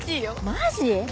マジ？